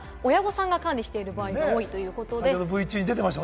ＳＮＳは親御さんが管理している場合が多いということです。